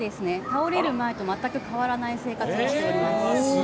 倒れる前と全く変わらない生活をしております。